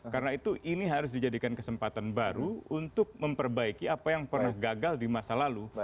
karena itu ini harus dijadikan kesempatan baru untuk memperbaiki apa yang pernah gagal di masa lalu